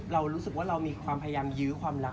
เรารู้สึกว่าเรามีความพยายามยื้อความรัก